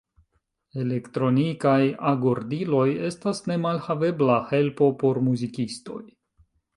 Elektronikaj agordiloj estas nemalhavebla helpo por muzikistoj.